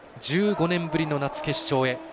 １５年ぶりの夏決勝へ。